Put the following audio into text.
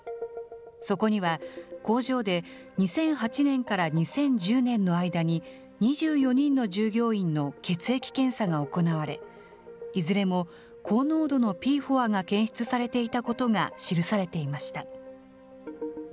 そこには、工場で２００８年から２０１０年の間に、２４人の従業員の血液検査が行われ、いずれも高濃度のＰＦＯＡが検出されていたことが記されていました。